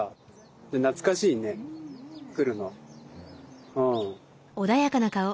じゃあ懐かしいね来るの。